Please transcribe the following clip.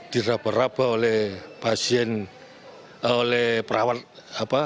diraba raba oleh pasien oleh perawat apa